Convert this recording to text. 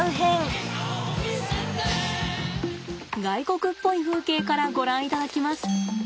外国っぽい風景からご覧いただきます。